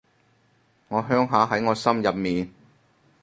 我鄉下喺我心入面